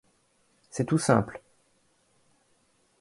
C’est tout simple.